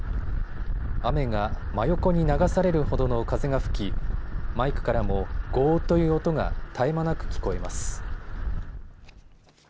雨が真横に流されるほどの風が吹きマイクからもゴーッという音が絶え間なく聞こえます。